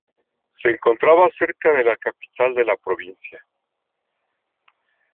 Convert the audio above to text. Se encontraba cerca de la capital de la provincia.